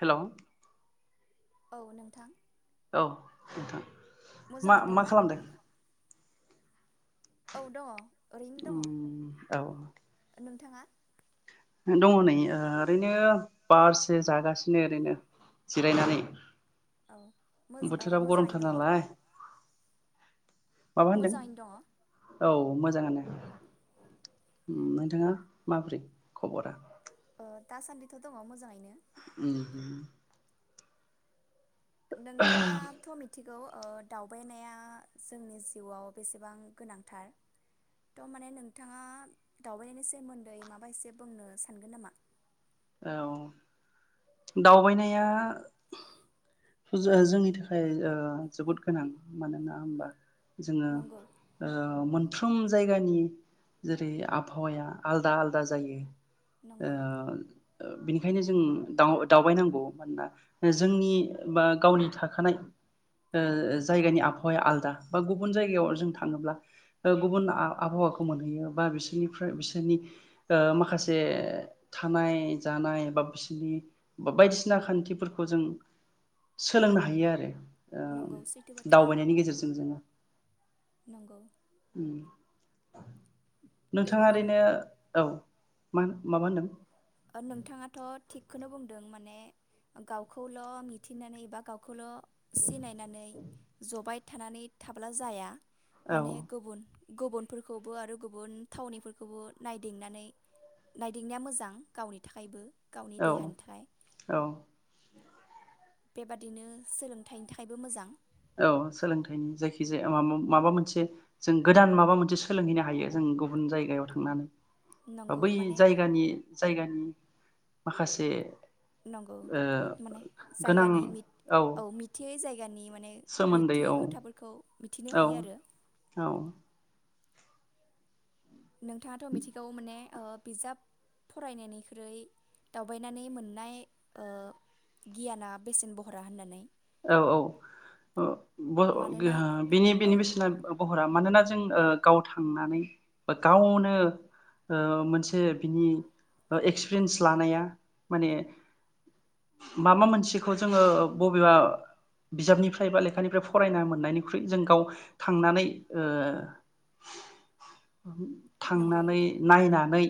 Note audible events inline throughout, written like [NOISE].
Hello औ नोंथां औ नोंथां मोजाङैनो मा-मा दंना खालामदों? औ दंङ उम औ थांङा दंङ नै ओरैनो बारसो जागासिनो ओरैनो जिरायनानै। औ मोज ओ बोथोराबो गरमथार मोजाङैनो दङ नालाय माबा होनदों मोजाङैनो दंङ औ मोजांङानो नोंथाङा माब्रै खबरा? ओ दासान्दिथ दंङ मोजांङै उम नोंथांङाथ मिथिगौ ओ दावबायनाया जोंनि जिउआव बेसेबां गोनांथार थ माने नोंथांङा दावबायनायनि सोमोन्दै माबा एसे बुंनो सानगोन नामा? औ दावबायनाया जो जोंनि थाखाय जोबोद गोनां मानोना होमबा जोंङो नंगौ ओ मोनफ्रोम जायगानि जेरै आबहावाया आलदा आलदा जायो। ओ नंगौ बिनिखायनो जों दाव-दावबायनांगौ मानोना जोंनि बा गावनि थाखानाय ओ जायगानि आबहावाया आलदा बा गुबुन जायगायाव जों थांङोब्ला गुबुन आ-आबहावाखौ मोनहैयो बा बिसोरनिफ्राय बिसोरनि ओ माखासे थानाय जानाय बा बिसोरनि बा बायदिसिना खान्थिफोरखौ जों सोलोंनो हायो आरो। ओ नंगौ सैथो बाथ्रा दावबायनायनि गेजेरजों जोंङो नंगौ उम नोंथांङा बेबादि ओरैनो औ मा माबा होनदों? नोंथांङाथ थिगखौनो बुंदों माने गावखौल मिथिनानै एबा गावखौल सिनायनानै जबाय थानानै थाब्ला जाया। औ माने गुबुन गुबुनफोरखौबो आरो गुबुन थावनिफोरखौबो नायदिंनानै नायदिंनाया मोजां। गावनि थाखायबो गावनि औ देहानि थाखाय औ बेबादिनो सोलोंथाइनि थाखायबो मोजां। औ सोलोंथाइनि जायखिजाया माबा माबा मोनसे जों गोदान माबा मोनसे सोलोंहैनो हायो जों गुबुन जायगायाव थांनानै नंगौ बै माने जायगानि जायगानि माखासे नंगौ ओ माने गोनां जायगानि मि औ मिथियै जाय गानि माने सोमोन्दै मिथियि औ खोथाफोरखौ मिथिनो औ हायो आरो। औ नोंथाङाथ मिथिगौ माने ओ बिजाब फरायनायनिख्रुइ दावबायनानै मोननाय ओ गियाना बेसेन बहरा होननानै। औ औ मानोना [UNINTELLIGIBLE] बि बिनि औ बिनि बेसेना बहरा मानोना जों ओ गाव थांनानै बा गावनो ओ मोनसे बिनि एक्सपिरियेन्स लानाया माने माबा मोनसेखौ जोङो बबेबा। बिजाबनिफ्राय बा लेखानिफ्राय फरायना मोननायनिख्रुइ जों गाव थांनानै ओ नंगौ थांनानै नायनानै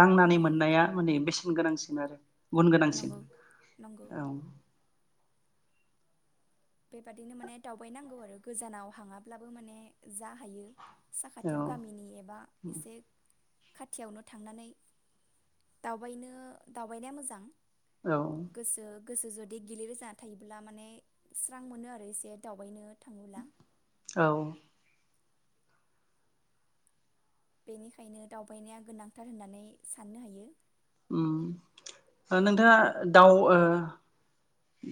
दांनानै नंगौ मोननाया माने बेसेन गोनांसिन। फिन आरो गुन गोनांसिन नंगौ नंगौ औ। बेबादिनो माने दावबायनांगौ आरो गोजानाव हाङाब्लाबो माने जा हायो। औ साखाथियाव गामिनि एबा एसे खाथियावनो थांनानै दावबायनो दावबायनाया मोजां। औ। गोसो गोसो जुदि गिलिर जाना थायोब्ला माने स्रां मोनो आरो एसे दावबायनो थाङोब्ला औ बेनिखायनो दावबायनाया गोनांथार होननानै साननो हायो। उम नोंथाङा दाउ ओ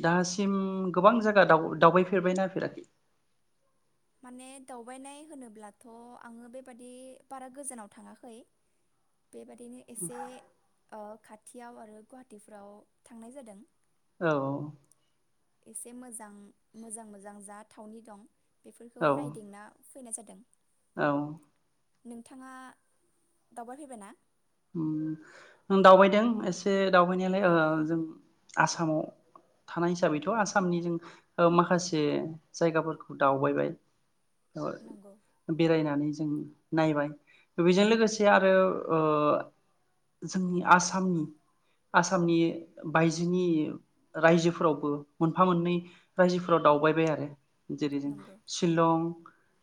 दासिम गोबां जायगा दावबायफेरबायना फेराखै? माने दावबायनाय होनोब्लाथ आङो बेबादि बारा गोजानाव थाङाखै बेबादिनो एसे ओ खाथि खाथियाव आरो गुवाहाटटिफ्राव थांनाय जादों। औ औ। एसे मोजां मोजां मोजां जा थावनि दं। बेफोरखौ औ नायदिंना फैनाय जादों। औ नोंथाङा दावबायफैबायना उम दावबायदों एसे दावबायनायालाय ओ जों आसामाव थानाय हिसाबैथ आसामनि जों ओ माखासे जायगाफोरखौ दावबायबाय। नंगौ बेरायनानै जों नायबाय बेजों लोगोसे आरो ओ। जोंनि आसामनि आसामनि बायजोनि रायजोफोरावबो मोनफा मोननै रायजोफोराव दावबायबाय आरो जेरै जों नंगौ शिलं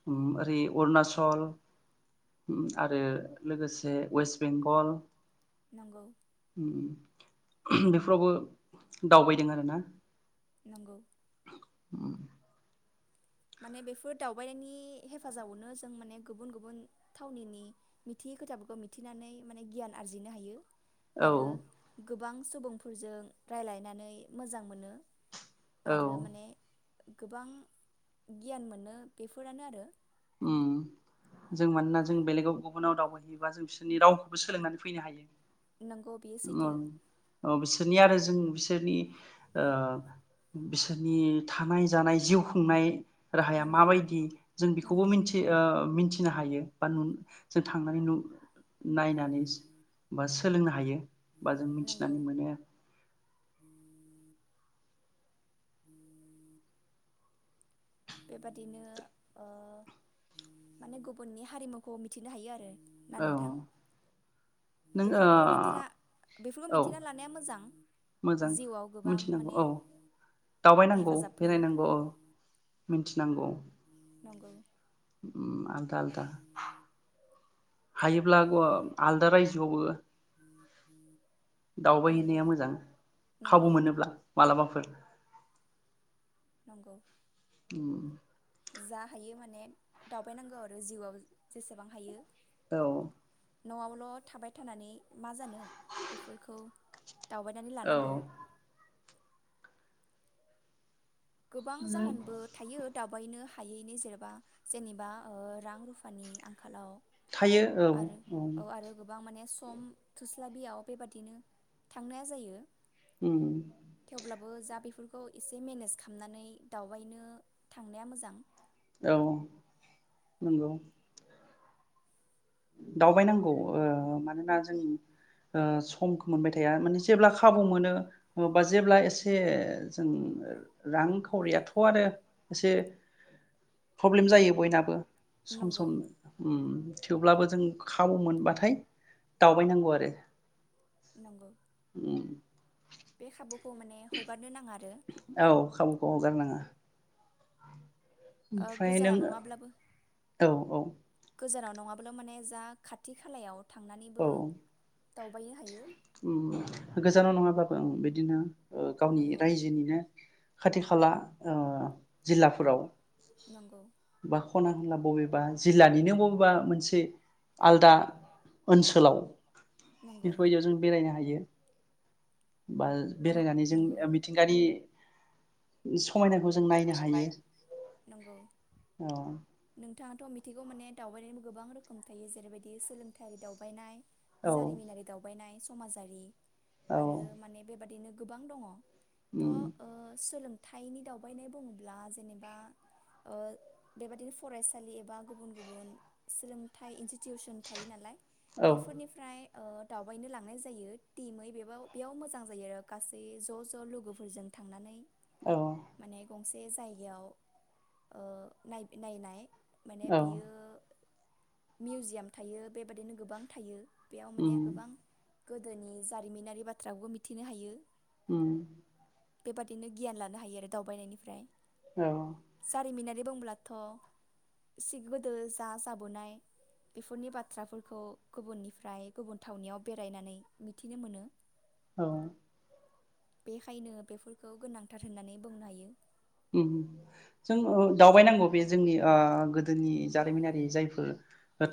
उम। अरुनाषल आरो लोगोसे वेस बेंगल नंगौ उम उम। बेफोरावबो दावबायदों आरो ना नंगौ माने बेफोर दावबायनायनि हेफाजाबावनो जों माने गुबुन गुबुन थावनिनि मिथियै खोथाफोरखौ मिथिनानै माने गियान आरजिनो हायो औ आरो गोबां सुबुंफोरजों रायज्लायनानै मोजां मोनो औ आरो माने गोबां गियान मोनो बेफोरानो आरो उम जों मानोना जों बेलेगाव गुबुनाव दावबायहैयोबा जों बिसोरनि रावखौबो सोलोंनानै फैनो हायो नंगौ बेयो सैथो अ बिसोरनि आरो जों बिसोरनिओ बिसोरनि थानाय जानाय जिउ खुंनाय राहाया नंगौ माबायदि जों बेखौबो नंगौ मिथि ओ मिथि फिनो हायो बा न जों थांनानै नु नायनानै बा सोलोंनो हायो बा जों नंगौ मिथिनानै मोनो [INAUDIBLE] [INAUDIBLE] बेबादिनो ओ माने गुबुननि हारिमुखौ मिथिनो हायो ना औ नोंथां नों बेफोरखौ मिथिना ओ औ मिथिना लानाया मोजां मोजां जिउ आव गोबां मिथिनांगौ माने औ हेफाजाब फैयो मिनथिनांगौ नंगौ उम आल्दा आल्दा हायोब्ला गो आलदा रायजोयावबो नंगौ दावबायहैनाया मोजां नंगौ खाबु मोनोब्ला मालाबाफोर नंगौ उम जा हायो माने दावबायनांगौ आरो जिउआव जेसेबां हायो औ नआवल थाबाय थानानै मा जानो बेफोरखौ दावबायनानै औ लानांगौ गोबां जों जाहोनबो थायो दाब बायनो हायैनो जेनेबा जेनेबा ओ रां रुफानि आंखालाव थायो औ आरो उम औ आरो गोबां माने सम थोस्लाबियाव बेबादिनो थांनाया जायो उम बो जा बेफोरखौ एसे मेनेज खामनानै दावबायनो थांनाया मोजां औ नोंगौ दावबायनांगौ ओ मानोना जोंनि ओ समखौ मोनबाय थाया माने जेब्ला खाबु मोनो बा जेब्ला एसे जों रां खावरियाथ आरो एसे प्रब्लेम जायो बयनाबो सम नंगौ सम उम थेवब्लाबो जों खाबु मोनबाथाय दावबायनांगौ आरो नंगौ उम बे खाबु खौ माने हगारनो नाङा आ औ खाबुखौ हगारनाङा ओ ओमफ्राय नों गोजानाव नङाब्लाबो औ औ गोजानाव नङाबोला माने जा खाथि खालायाव औ थांनानैबो दावबायनो हायो उम गोजानाव नङाबा ओं बिदिनो ओ गावनि नंगौ रायजोनिनो खाथि खाला ओ जिल्लाफोराव नंगौ बा खना खनला बबेबा जिल्लानिनो बबेबा मोनसे आलदा ओन्सोलाव नंगौ बेफोरबायदियाव जों बेरायनो हायो बा ओन- बेरायनानै जों नंगौ मिथिंगायारि [UNINTELLIGIBLE] समायनाखौ जों जायखौ नायनो नाय हायो औ बिथां आथ मिथिगौ माने दावबायनायनिबो गोबां रोखोम थायो जेरैबायदि सोलोंथाइ दावबायनाय जारिमिनारि दावबायनाय समाजारि आरो माने बेबादिनो गोबां दङ थ' सोलों थाइनि दाव बायनाय बुङोब्ला जेनेबा ओ बेबादिनो फरायसालि एबा गुबुन गुबुन सोलोंथाइ इनस्टिटिउसन थायो नालाय औ बेफोरनिफ्राय ओ दावबायनो लांनाय जायो टिमै बेब बेयाव मोजां जायो आरो गासै ज ज लोगोफोरजों थांनानै औ माने गंसे जायगायाव ओ नायनाय माने औ बियो मिउजियाम थायो बेबायाददिनो गोबां थायो। बेयाव माने गोबां गोदोनि जारिमिनारि बाथ्राखौबो मिथिनो हायो। उ बेबादिनो गियान लानो हायो आरो दावबायनायनिफ्राय जारिमिनारि बुंब्लाथ' सिग गोदो जा जाबोनाय बेफोरनि बाथ्राफोरखौ गुबुननिफ्राय गुबुन थावनियाव बेरायनानै मिथिनो मोनो। औ बेखायनो बेफोरखौ गोनांथार होननानै बुंनो हायो। ओम जों ओ दावबायनांगौ बे जोंनि ओ गोदोनि जारिमिनारि जायफोर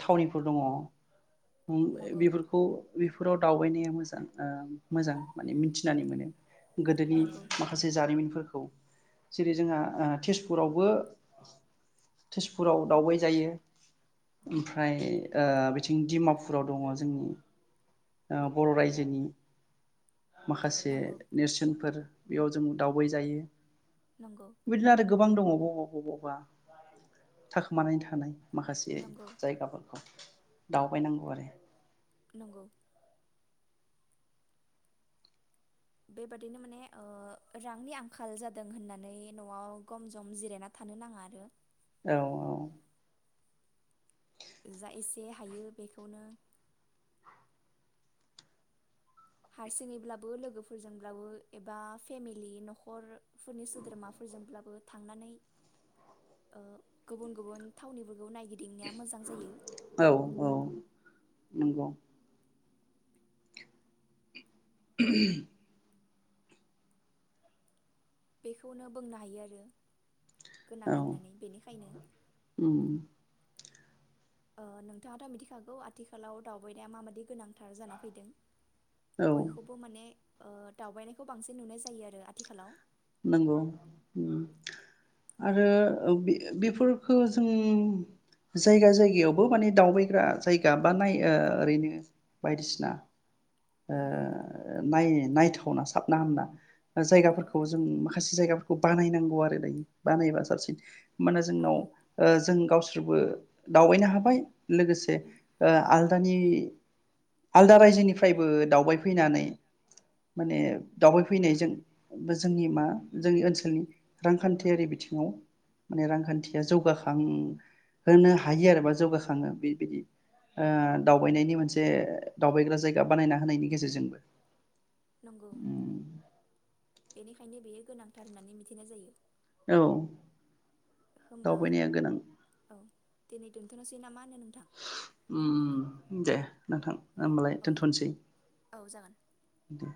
थावनिफोर दङ ओम नंगौ बेफोरखौ बेफोराव दाव बायरिया मोजां ओ मोजां माने मिथिनानै मोनो। गोदोनि नंगौ माखासे जारिमिनफोर खौ जेरै जोंहा ओ तेजपुरावबो तेजपुराव दावबाय जायो ओमफ्राय ओ बिथिं दिडिमापुराव दङ जोंनि ओ बर' रायजोनि माखासे नंगौ नेरसोनफोर बेयाव जों दावबाय जायो। नंगौ बिदिनो आरो गोबां दङ। बबा बबावबा थाखोमानानै थानाय माखासे नंगौ जायगाफोरखौ दावबायनांगौ आरो ‌। नंगौ बेबादिनो माने ओ रांनि आंखाल जादों होननानै न'आव गम जम जिरायना थानो नाङा आरो। औ औ जा एसे हायो बेखौनो हारसिङैब्लाबो लोगोफोरजोंब्लाबो एबा फेमिलि नखरफोरनि सोद्रोमाफोरजोंब्लाबो थांनानै ओ गुबुन गुबुन थावनिब औ नायगिदिंनाया मोजां जायो। औ औ नंगौ [INAUDIBLE] बेखौनो बोनो हायो आरो। गोनां औ होननानै बेनिखायनो उम ओ नोंथाङाथ' मिथिखागौ आथिखालाव दावबायनाया माबाददि गोनांथार जाना फैदों औ बयखौबो माने ओ दावबायनायखौ बांसिन नुनाय जायो आरो आथिखालाव। नंगौ ओम आरो बे-बेफोरफोरखौ जों जायगा जायगायावबो माने दावबायग्रा जायगा बा नाय ओरैनो बायदिसिना ओ नंगौ नाय नायथावना सो ना होनबा? नंगौ जायगाफोरखौ माखासे जायगाफोरखौ बानायनांगौ आरो दायो बानायबा साबसिन होनबाना जोंनाव नंगौ जों गावसो थेवबो दावबायनो हाबाय। लोगोसे उम, ओ आल दानि आलदा रायजोनिफ्रायबो दावबाय फैनानै माने दावबायफैनायजों बोजोंनि मा जोंनि ओनसोलनि रांखान्थियारि बिथिङाव माने रांखान्थिया जौगाखां होनोनो हायो आरो बा जौगाखाङो बेबायदि दावबायनायनि मोनसे दावबायग्रा जायगा बानायना होनायनि गेजेरजोंबो। नंगौ। बेनिखायनो बेयो गोनांथार होननानै मिथिनाय जायो। औ होमबा दावबायनाया गोनां। औ दिनै दोनथ'नोसै नामा? होनो नोंथां उम दे। नोंथां। होमबालाय औ दोनथ'नोसै औ जागोन दे।